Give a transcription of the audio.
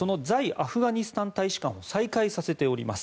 アフガニスタン日本大使館を再開させております。